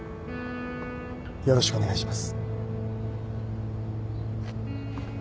よろしくお願いします